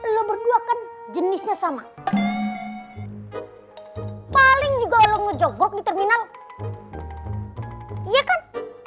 lo berdua kan jenisnya sama paling juga lo ngejoggok di terminal iya kan